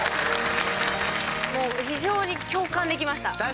非常に共感できました。